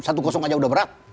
satu kosong saja sudah berat